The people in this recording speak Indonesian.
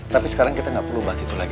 tapi sekarang kita nggak perlu bahas itu lagi